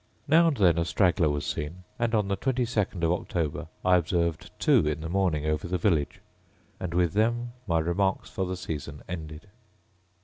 Now and then a straggler was seen; and on the twenty second of October, I observed two in the morning over the village, and with them my remarks for the season ended.